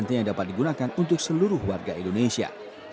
nanti yang dapat digunakan untuk seluruh warga indonesia